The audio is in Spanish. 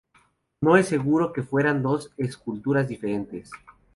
No es seguro que fueran dos esculturas diferentes.